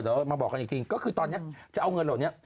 เดี๋ยวมาบอกกันอีกทีก็คือตอนนี้จะเอาเงินเหล่านี้